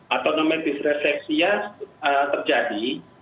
autonomik disrefleksia terjadi